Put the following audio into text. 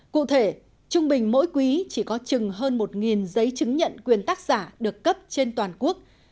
cụ thể trung bình mỗi quý chỉ có chừng hơn một giấy chứng nhận quyền tác giả được cấp trên toàn quốc